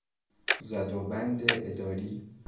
زد و بند اداری